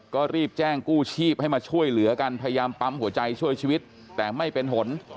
ก็รีบแจ้งกู้ชีพให้มาช่วยเหลือกันพยายามปั๊มหัวใจช่วยชีวิตแต่ไม่เป็นผล